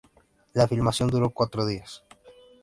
La filmación duró cuatro días.